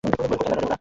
কোথায় গেলো ওরা?